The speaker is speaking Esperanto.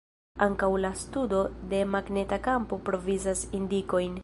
Ankaŭ la studo de magneta kampo provizas indikojn.